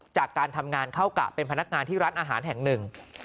จากการทำงานเข้ากะเป็นพนักงานที่ร้านอาหารแห่งหนึ่ง